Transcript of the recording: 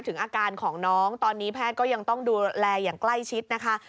ถึงอาการของน้องตอนนี้แพทย์ก็ยังต้องดูแลอย่างใกล้ชิดนะคะ